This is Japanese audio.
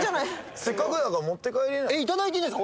せっかくだから持って帰れな頂いていいんですか？